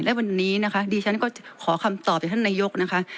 และวันนี้นะคะดิฉันก็ขอคำตอบจากท่านนายกนะคะ